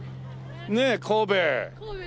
ねえ神戸。